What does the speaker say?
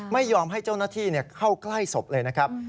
ไม่ยอมให้เจ้าหน้าที่เข้าใกล้ศพเลยนะครับ